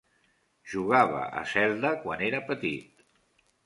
Jugava a Zelda quan era petit.